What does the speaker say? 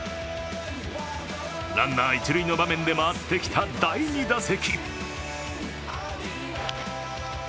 ランナー、一塁の場面で回ってきた第２打席。